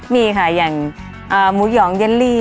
มีค่ะอย่างหมูหยองเยลลี่